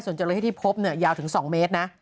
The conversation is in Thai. ส่วนจราเข้ที่พบเนี่ยยาวถึง๒เมตรนะ